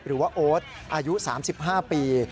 หรือว่าโอ๊ตอายุ๓๕ปี